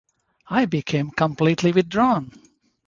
I became completely withdrawn.